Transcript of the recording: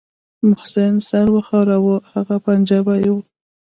محسن سر وښوراوه هغه پنجابى و.